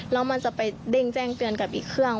แล้วมันจะไปเด้งแจ้งเตือนกับอีกเครื่อง